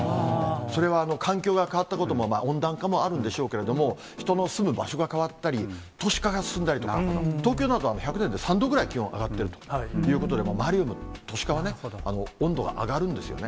それは環境が変わったことも、温暖化もあるんでしょうけれども、人の住む場所が変わったり、都市化が進んだりとか、東京などは１００年で３度ぐらい気温、上がってるということで、都市化は温度が上がるんですよね。